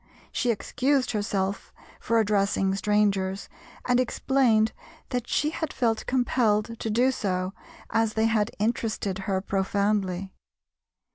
She excused herself for addressing strangers and explained that she had felt compelled to do so as they had interested her profoundly.